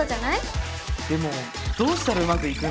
でもどうしたらうまくいくんだろう？